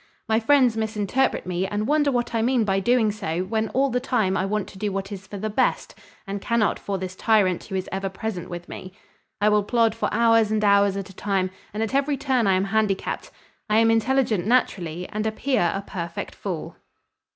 My friends misinterpret me and wonder what I mean by doing so when all the time I want to do what is for the best and cannot for this tyrant who is ever present with me. I will plod for hours and hours at a time, and at every turn I am handicapped. I am intelligent naturally and appear a perfect fool."